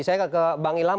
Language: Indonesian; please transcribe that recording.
saya ke bang ilham